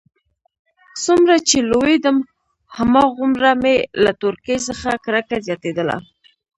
څومره چې لوېيدم هماغومره مې له تورکي څخه کرکه زياتېدله.